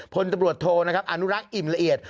พลตำรวจโทนะครับอนุรักษ์อิ่มละเอียด